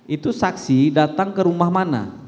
itu saksi datang ke rumah mana